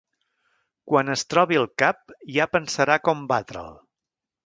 Quan es trobi el cap, ja pensarà com batre'l.